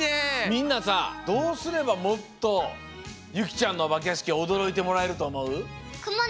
みんなさどうすればもっとゆきちゃんのオバケやしきおどろいてもらえるとおもう？